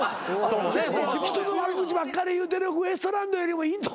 人の悪口ばっかり言うてるウエストランドよりもいいと。